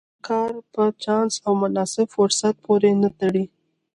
دا کار په چانس او مناسب فرصت پورې نه تړي.